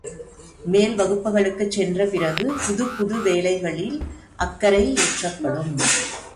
மேல் வகுப்புகளுக்குச் சென்ற பிறகு, புதுப் புது வேலைகளி அக்கறையேற்படும்.